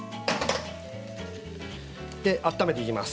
温めていきます。